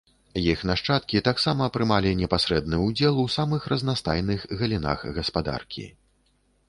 Іх нашчадкі таксама прымалі непасрэдны ўдзел у самых разнастайных галінах гаспадаркі.